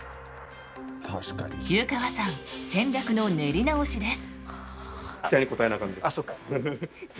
湯川さん戦略の練り直しです。